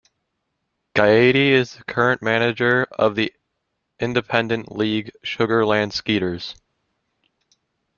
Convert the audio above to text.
Gaetti is the current manager of the independent league Sugar Land Skeeters.